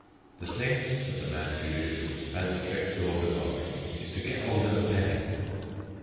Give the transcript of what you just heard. "The thing," said the man judicially, as the trick dawned upon me, "is to get 'old o' the penny."